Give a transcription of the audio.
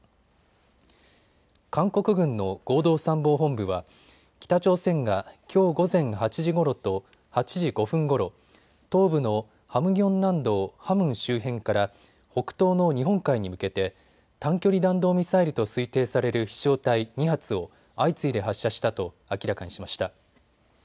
韓国軍の合同参謀本部は北朝鮮がきょう午前８時ごろと８時５分ごろ、東部のハムギョン南道ハムン周辺から北東の日本海に向けて短距離弾道ミサイルと推定される飛しょう体２発を相次いで発射したと明らかにしました。